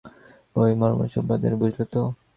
ওই মর্মন সম্প্রদায়ের, বুঝলে তো।